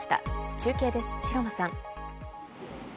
中継です、城間さん。